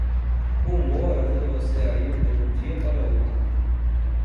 Humor ajuda você a ir de um dia para outro.